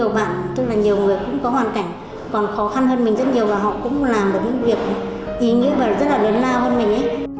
mình thấy là xung quanh mình có nhiều bạn nhiều người cũng có hoàn cảnh còn khó khăn hơn mình rất nhiều và họ cũng làm được những việc ý nghĩa rất là lớn lao hơn mình